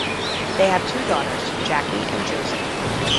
They have two daughters, Jackie and Josie.